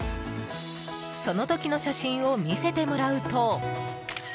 その時の写真を見せてもらうと